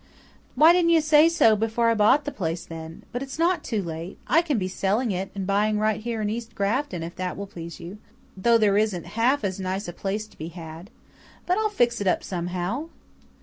"Why didn't you say so before I bought the place, then? But it's not too late. I can be selling it and buying right here in East Grafton if that will please you though there isn't half as nice a place to be had. But I'll fix it up somehow!"